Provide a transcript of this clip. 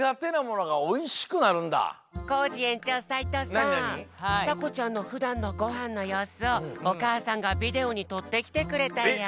さこちゃんのふだんのごはんのようすをおかあさんがビデオにとってきてくれたよ。